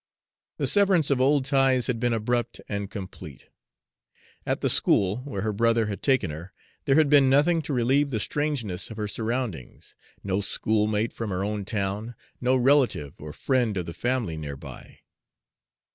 The severance of old ties had been abrupt and complete. At the school where her brother had taken her, there had been nothing to relieve the strangeness of her surroundings no schoolmate from her own town, no relative or friend of the family near by.